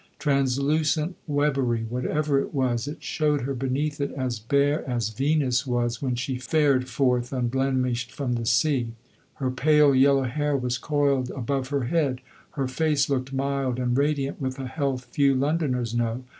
Translucent webbery, whatever it was, it showed her beneath it as bare as Venus was when she fared forth unblemished from the sea. Her pale yellow hair was coiled above her head; her face looked mild and radiant with a health few Londoners know.